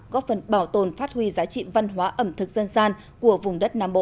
góp phần bảo tồn phát huy giá trị văn hóa ẩm thực dân gian của vùng đất nam bộ